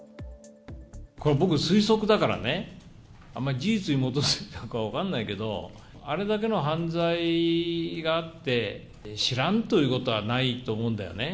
これ、僕、推測だからね、あまり事実に基づいているか分かんないけど、あれだけの犯罪があって、知らんということはないと思うんだよね。